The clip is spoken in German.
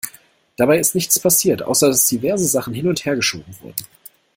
Dabei ist nichts passiert, außer dass diverse Sachen hin- und hergeschoben wurden.